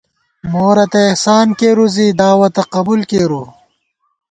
مورتئ احسان کېروؤ زی دعوَتہ قبُول کېروؤ